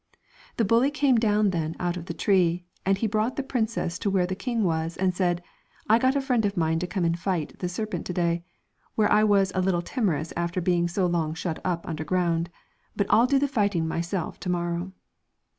The bully came down then out of the tree, and he brought the princess to where the king was, and he said, ' I got a friend of mine to come and fight the serpent to day, where I was a little timorous after being so long shut up underground, but I'll do the fighting myself to morrow.'